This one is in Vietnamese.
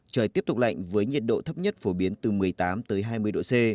trời tiếp tục lạnh với nhiệt độ thấp nhất phổ biến từ một mươi tám tới hai mươi độ c